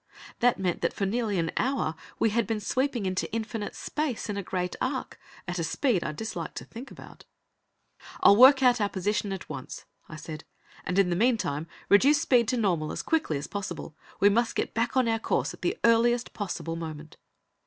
That meant that for nearly an hour we had been sweeping into infinite space in a great arc, at a speed I disliked to think about. "I'll work out our position at once," I said, "and in the meantime, reduce speed to normal as quickly as possible. We must get back on our course at the earliest possible moment."